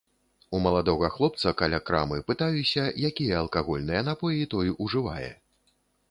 У маладога хлопца каля крамы пытаюся, якія алкагольныя напоі той ужывае.